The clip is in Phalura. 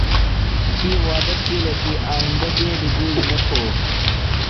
تی وعدہ تِھیلو کی آئیندہ دیدیۡ گُولیۡ نہ کھو۔